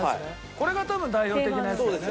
これが多分代表的なやつだよね。